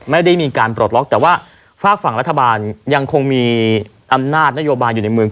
ไม่ได้มีการปลดล็อกแต่ว่าฝากฝั่งรัฐบาลยังคงมีอำนาจนโยบายอยู่ในเมือง